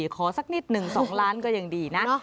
สักนิดหนึ่ง๒ล้านก็ยังดีนะ